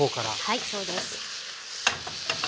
はいそうです。